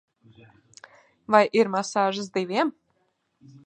Vai ir masāžas diviem?